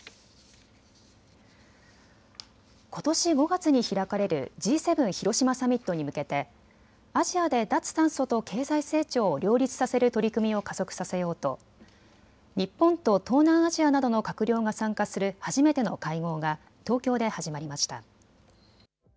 ことし５月に開かれるＧ７広島サミットに向けてアジアで脱炭素と経済成長を両立させる取り組みを加速させようと日本と東南アジアなどの閣僚が参加する初めての会合が東京で始まりました。